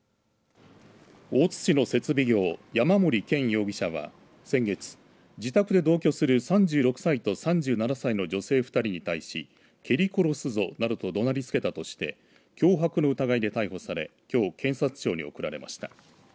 大津市の設備業、山森健容疑者は先月、自宅で同居する３６歳と３７歳の女性２人に対し蹴り殺すぞなどとどなりつけたとして脅迫の疑いで逮捕されきょう、検察庁に送られました。